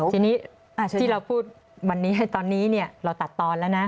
ทีนี้ที่เราพูดวันนี้ตอนนี้เราตัดตอนแล้วนะ